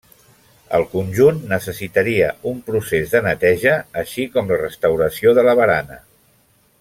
El conjunt necessitaria un procés de neteja, així com la restauració de la barana.